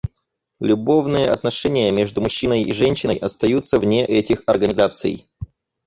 Любовные отношения между мужчиной и женщиной остаются вне этих организаций.